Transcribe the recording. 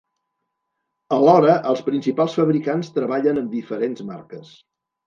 Alhora els principals fabricants treballen amb diferents marques.